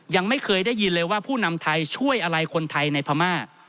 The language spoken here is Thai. ยังไม่เคยได้ยินเลยว่าผู้นำไทยช่วยอะไรคนไทยในพม่า